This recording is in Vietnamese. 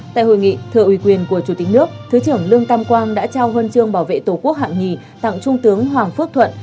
tại hội nghị thừa uy quyền của chủ tịch nước thứ trưởng lương tam quang đã trao huân chương bảo vệ tổ quốc hạng nhì tặng trung tướng hoàng phước thuận